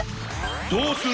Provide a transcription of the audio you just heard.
どうする？